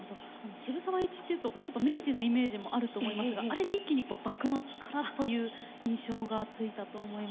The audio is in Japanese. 渋沢栄一っていうとちょっと明治のイメージもあると思いますがあれで一気に幕末からという印象がついたと思いますけど。